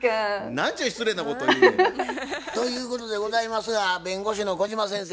何ちゅう失礼なことを言うのや。ということでございますが弁護士の小島先生